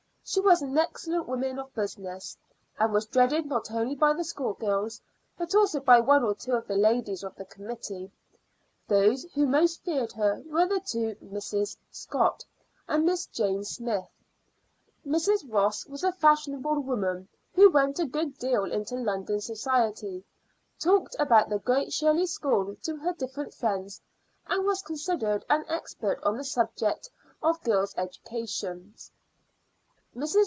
She was an excellent woman of business, and was dreaded not only by the schoolgirls, but also by one or two of the ladies of the committee; those who most feared her were the two Misses Scott and Miss Jane Smyth. Mrs. Ross was a fashionable woman who went a good deal into London society, talked about the Great Shirley School to her different friends, and was considered an expert on the subject of girls' education. Mrs.